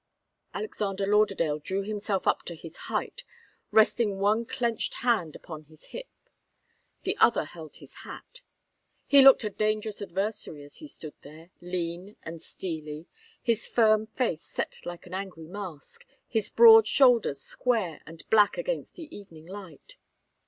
Alexander Lauderdale drew himself up to his height, resting one clenched hand upon his hip. The other held his hat. He looked a dangerous adversary as he stood there, lean and steely, his firm face set like an angry mask, his broad shoulders square and black against the evening light.